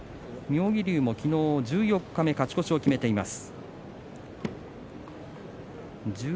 妙義龍も昨日、十四日目勝ち越しを決めています。